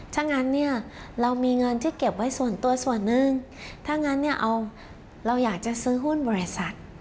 ถ้างั้นเนี่ยเรามีเงินที่เก็บไว้ส่วนตัวส่วนหนึ่งถ้างั้นเนี่ยเอาเราอยากจะซื้อหุ้นบริษัท